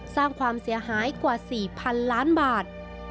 สร้างความเสียหายกว่า๔๐๐๐ล้านบาท